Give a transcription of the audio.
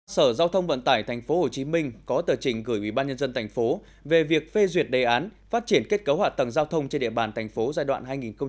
sở giao thông vận tải tp hcm có tờ trình gửi ubnd tp về việc phê duyệt đề án phát triển kết cấu hạ tầng giao thông trên địa bàn tp giai đoạn hai nghìn hai mươi hai nghìn ba mươi